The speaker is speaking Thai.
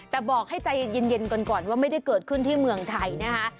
แต่บอกให้ใจเย็นก่อนว่าไม่ได้เกิดขึ้นที่เมืองไทยนะคะ